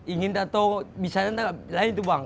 ingin atau bisa nanti lain tuh bang